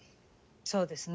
そうですね。